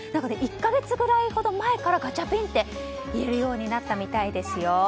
１か月ぐらい程前からガチャピンって言えるようになったみたいですよ。